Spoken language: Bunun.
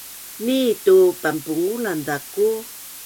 nitu panpungulan zaku